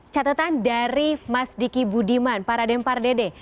catatan dari mas diki budiman pak raden pak dede